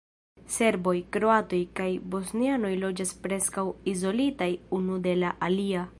Serboj, kroatoj kaj bosnianoj loĝas preskaŭ izolitaj unu de la alia.